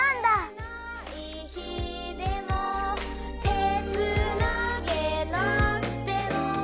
「あえない日でも手つなげなくても」